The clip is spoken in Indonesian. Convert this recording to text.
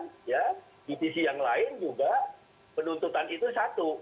di sisi yang lain juga penuntutan itu satu